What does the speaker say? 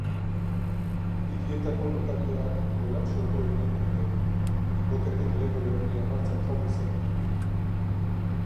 Hirietako notarioak kolapso egoeran daude hipoteken lege berria martxan jarri zenetik.